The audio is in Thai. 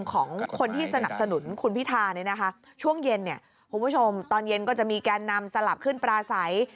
ของคนที่สนับสนุนคุณพิธาช่วงเย็นตอนเย็นก็จะมีแกนนำสลับขึ้นปราศัย